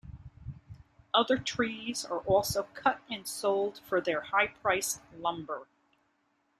Other trees are also cut and sold for their high-priced lumber.